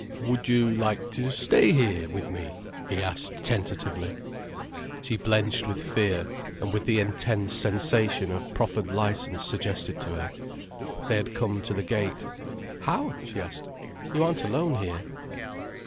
"Would you like to stay here with me?" he asked, tentatively. She blenched with fear and with the intense sensation of proffered licence suggested to her. They had come to the gate. "How?" she asked. "You aren't alone here."